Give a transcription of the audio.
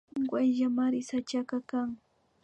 Wayllamari sachaka kan